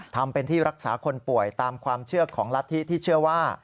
ทำเป็นที่รักษาคนป่วยตามความเชื่อของรัฐธิที่เชื่อว่า